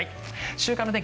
週間天気